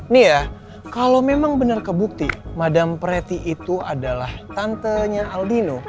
nih ya kalau memang benar kebukti madam preti itu adalah tantenya aldino